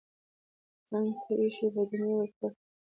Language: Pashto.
څنګ ته ايښی بدنۍ يې ورپورته کړه.